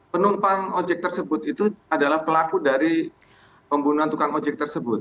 penumpang ojek tersebut itu adalah pelaku dari pembunuhan tukang ojek tersebut